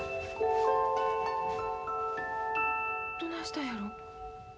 どないしたんやろ。